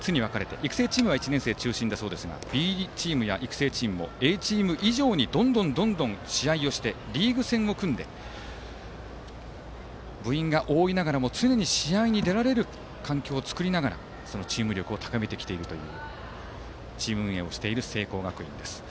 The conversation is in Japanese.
育成チームは１年生中心だそうですがＢチームや育成チームもＡチーム以上にどんどん試合をしてリーグ戦を組んで部員が多いながらも常に試合に出られる環境を作ってそのチーム力を高めてきているというチーム運営をしている聖光学院。